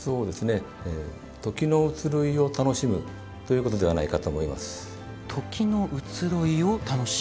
時の移ろいを楽しむということではないかと思います。